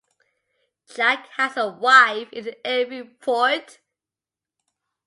Jack has a wife in every port.